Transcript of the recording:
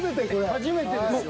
初めてですよ。